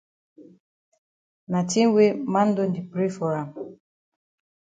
Na tin way man don di pray for am.